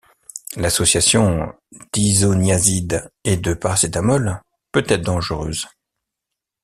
L'association d'isoniazide et de paracétamol peut être dangereuse.